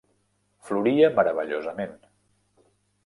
Floria meravellosament